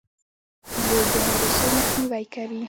پیلوټ د حادثو مخنیوی کوي.